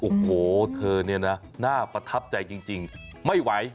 โอ้โหเธอเนี่ยนะน่าประทับใจจริงไม่ไหว